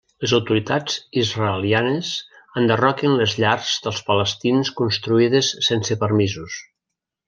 Les autoritats israelianes enderroquen les llars dels palestins construïdes sense permisos.